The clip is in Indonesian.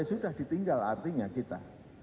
sudah ditinggal artinya kita